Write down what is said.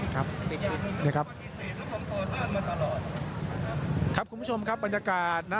ครับเนี่ยครับคุณผู้ชมครับบรรยากาศนะ